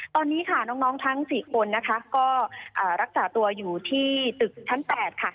ตอนนี้ค่ะน้องทั้ง๔คนนะคะก็รักษาตัวอยู่ที่ตึกชั้น๘ค่ะ